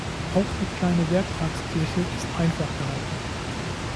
Auch die kleine Werktagskirche ist einfach gehalten.